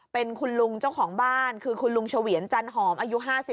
เป็นคุณลุงเจ้าของบ้านคือคุณลุงเฉวียนจันหอมอายุ๕๓